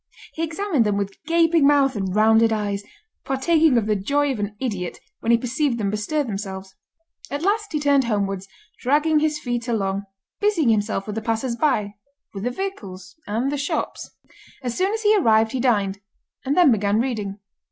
He examined them with gaping mouth and rounded eyes, partaking of the joy of an idiot when he perceived them bestir themselves. At last he turned homewards, dragging his feet along, busying himself with the passers by, with the vehicles, and the shops. As soon as he arrived he dined, and then began reading.